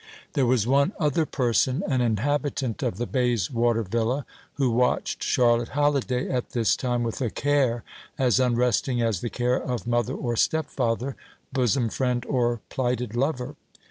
There was one other person, an inhabitant of the Bayswater villa, who watched Charlotte Halliday at this time with a care as unresting as the care of mother or stepfather, bosom friend or plighted lover.